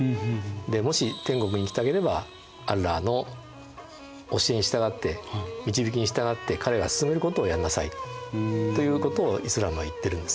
もし天国にいきたければアッラーの教えに従って導きに従って彼が勧めることをやんなさいということをイスラームはいってるんですね。